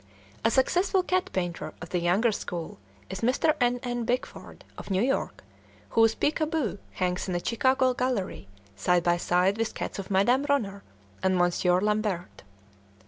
A successful cat painter of the younger school is Mr. N.N. Bickford, of New York, whose "Peek a Boo" hangs in a Chicago gallery side by side with cats of Madame Ronner and Monsieur Lambert.